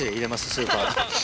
スーパー。